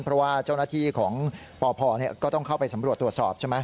เพราะว่าเจ้านาทีของป่อจะต้องเข้าไปสำหรับสวดสอบ